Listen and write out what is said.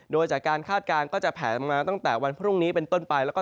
โดยจากการคาดการณ์ก็จะแผลลงมาตั้งแต่วันพรุ่งนี้เป็นต้นไป